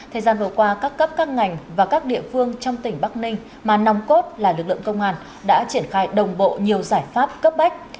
thời gian vừa qua các cấp các ngành và các địa phương trong tỉnh bắc ninh mà nòng cốt là lực lượng công an đã triển khai đồng bộ nhiều giải pháp cấp bách